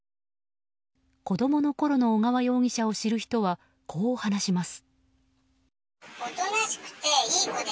子供のころの小川容疑者を知る人は、こう話します。